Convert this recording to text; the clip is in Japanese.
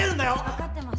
分かってます。